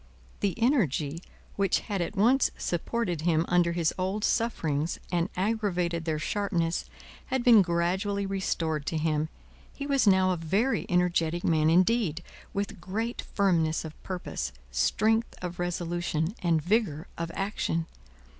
The energy which had at once supported him under his old sufferings and aggravated their sharpness, had been gradually restored to him. He was now a very energetic man indeed, with great firmness of purpose, strength of resolution, and vigour of action.